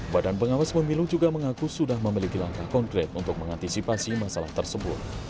badan pengawas pemilu juga mengaku sudah memiliki langkah konkret untuk mengantisipasi masalah tersebut